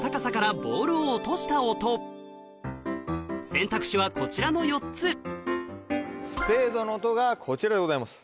選択肢はこちらの４つスペードの音がこちらでございます。